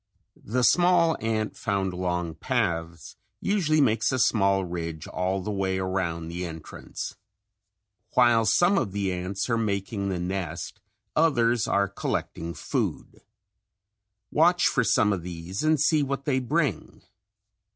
The small ant found along paths usually makes a small ridge all the way around the entrance. While some of the ants are making the nest, others are collecting food. Watch for some of these and see what they bring.